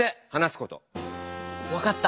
分かった。